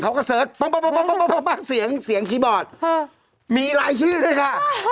เขาก็เสิร์ชเสียงเสียงคีย์บอร์ดมีรายชื่อด้วยค่ะ